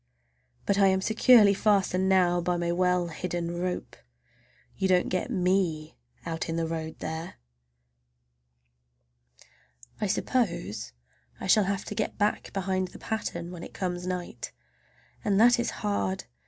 But I am securely fastened now by my well hidden rope—you don't get me out in the road there! I suppose I shall have to get back behind the pattern when it comes night, and that is hard!